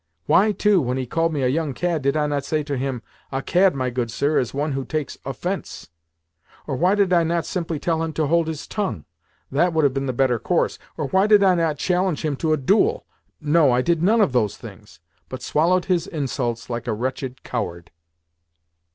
Why, too, when he called me a young cad, did I not say to him, 'A cad, my good sir, is one who takes offence'? Or why did I not simply tell him to hold his tongue? That would have been the better course. Or why did I not challenge him to a duel? No, I did none of those things, but swallowed his insults like a wretched coward."